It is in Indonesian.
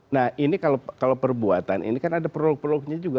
nah ini kalau perbuatan ini kan ada produk produknya juga